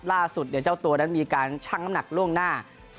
ล่าสุดเนี่ยเจ้าตัวนั้นมีการช่างกันหนักล่วงหน้า๓๐